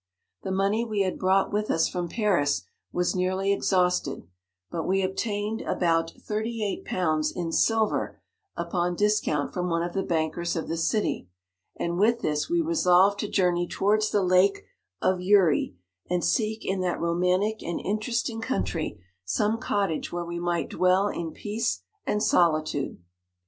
The money we had brought with us from Paris was nearly exhausted, but we obtained about ^38, in silver upon discount from one of the bankers of the city, and with this we resolved to journey towards the lake of Uri,* and seek in that romantic and in teresting country some cottage where we might dwell in peace and solitude.